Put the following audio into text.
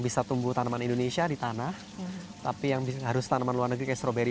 bisa tumbuh tanaman indonesia di tanah tapi yang bisa harus tanaman luar negeri strawberry